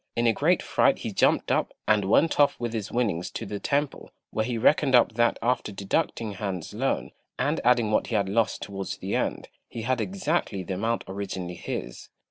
In a great fright he jumped up, and went off with his winnings to the temple, where he reckoned up that after deducting Han's loan, and adding what he had lost towards the end, he had exactly the amount originally his.